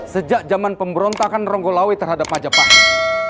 sejak zaman pemberontakan ronggolawe terhadap majapahit